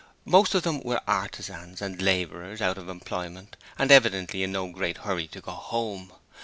Most of them were artisans and labourers out of employment and evidently in no great hurry to go home.